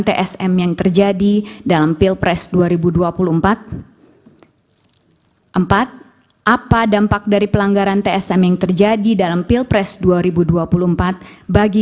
pertama apakah mahkamah konstitusi berwenang untuk memeriksa pelanggaran